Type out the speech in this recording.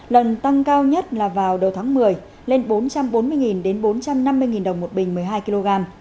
lần tăng cao nhất là vào đầu tháng một mươi lên bốn trăm bốn mươi bốn trăm năm mươi đồng một bình một mươi hai kg